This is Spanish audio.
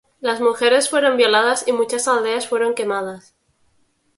Las mujeres fueron violadas y muchas aldeas fueron quemadas.